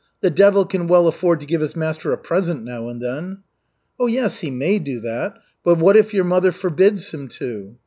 The devil can well afford to give his master a present now and then." "Oh, yes, he may do that, but what if your mother forbids him to?"